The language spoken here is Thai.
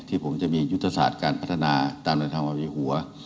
ที่ผมจะมียุทธศาสตร์การพัฒนาตามในทางอาวีหัว